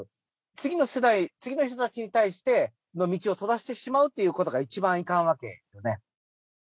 次の世代次の人たちに対しての道を閉ざしてしまうっていうことが一番いかんわけよね。